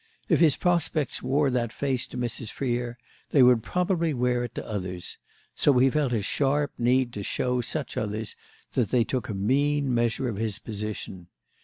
If his prospects wore that face to Mrs. Freer they would probably wear it to others; so he felt a strong sharp need to show such others that they took a mean measure of his position.